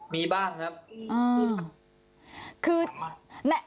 มีบ้างครับ